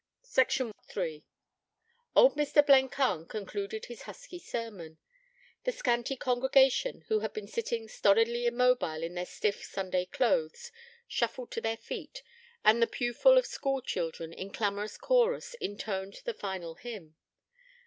III Old Mr. Blencarn concluded his husky sermon. The scanty congregation, who had been sitting, stolidly immobile in their stiff, Sunday clothes, shuffled to their feet, and the pewful of school children, in clamorous chorus, intoned the final hymn.